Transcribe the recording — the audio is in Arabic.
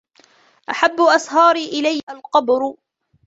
أَحَبُّ أَصْهَارِي إلَيَّ الْقَبْرُ